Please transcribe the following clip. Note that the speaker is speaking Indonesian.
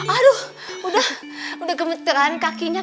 aduh udah gemeteran kakinya